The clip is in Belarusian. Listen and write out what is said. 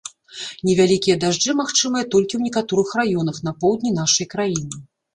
Невялікія дажджы магчымыя толькі ў некаторых раёнах на поўдні нашай краіны.